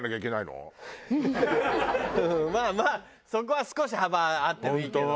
まあまあそこは少し幅あってもいいけど。